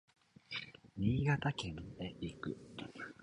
新潟県へ行く